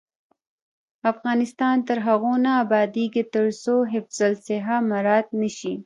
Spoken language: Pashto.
افغانستان تر هغو نه ابادیږي، ترڅو حفظ الصحه مراعت نشي.